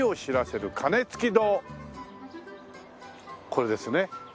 これですね。